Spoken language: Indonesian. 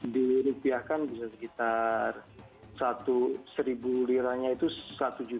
dirupiahkan bisa sekitar seribu liranya itu satu tujuh ratus